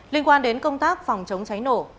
liên quan đến công tác phòng chống cháy nổ